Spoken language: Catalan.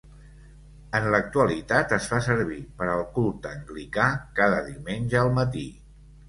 En l'actualitat es fa servir per al culte anglicà, cada diumenge al matí.